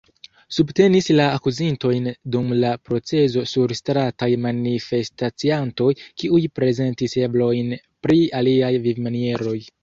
Subtenis la akuzintojn dum la proceso surstrataj manifestaciantoj, kiuj prezentis eblojn pri aliaj vivmanieroj.